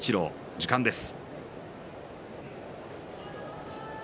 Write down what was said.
時間です。